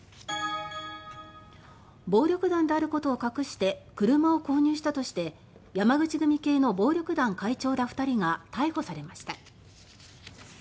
暴力団であることを隠して車を購入したとして山口組系の暴力団会長ら２人が逮捕されました。